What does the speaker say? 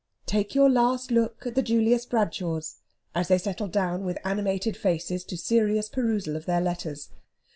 Take your last look at the Julius Bradshaws, as they settle down with animated faces to serious perusal of their letters.